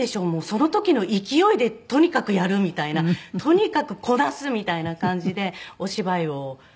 その時の勢いでとにかくやるみたいなとにかくこなすみたいな感じでお芝居をしていて。